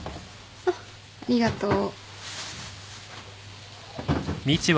うんありがとう。